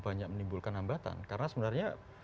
banyak menimbulkan hambatan karena sebenarnya